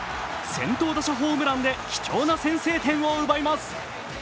先頭打者ホームランで貴重な先制点を奪います。